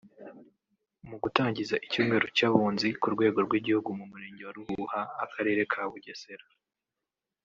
Mu gutangiza icyumweru cy’abunzi ku rwego rw’igihugu mu Murenge wa Ruhuha Akarere ka Bugesera